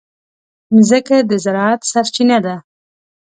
مځکه د زراعت سرچینه ده.